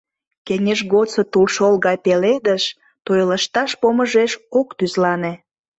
Кеҥеж годсо тулшол гай пеледыш Той лышташ помышеш ок тӱзлане!